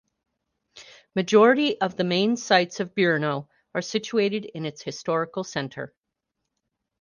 Majority of the main sights of Brno are situated in its historical centre.